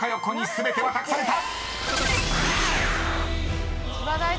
全ては託された！］